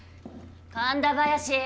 神田林！